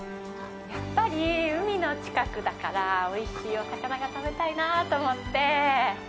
やっぱり海の近くだからおいしいお魚が食べたいなと思って。